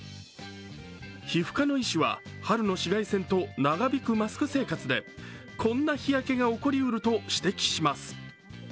皮膚科の医師は春の紫外線と長引くマスク生活でこんな日焼けが起こりうると指摘します。